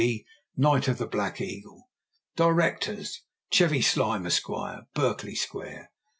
K.G., K.C.B., Knight of the Black Eagle. Directors. CHEVY SLIME, Esq., Berkeley Square.